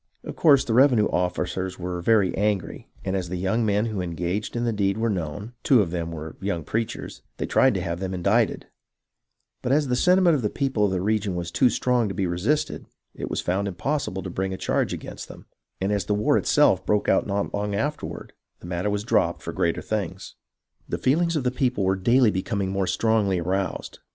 Of course, the revenue officers were very angry, and as the young men who engaged in the deed were known (two of them were young preachers), they tried to have them indicted ; but as the sentiment of the people of the region was too strong to be resisted, it was found impossible to bring a charge against them, and as the war itself broke out not long afterward, the matter was dropped for greater things. The feelings of the people were daily becoming more 1 8 HISTORY OF THE AMERICAN REVOLUTION strongly aroused.